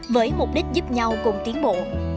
với mục đích giúp nhau cùng tiến bộ